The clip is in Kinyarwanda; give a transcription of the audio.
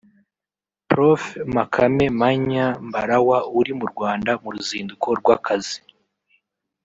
Prof Makame Mnyaa Mbarawa uri mu Rwanda mu ruzinduko rw’akazi